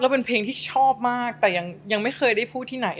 เป็นเพลงที่ชอบมากแต่ยังไม่เคยได้พูดที่ไหน